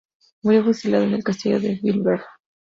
Murió fusilado en el castillo de Bellver.